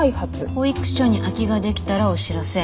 保育所に空きができたらお知らせ。